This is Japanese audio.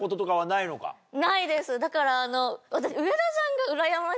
だから私。